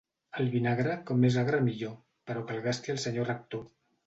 El vinagre, com més agre millor, però que el gasti el senyor rector.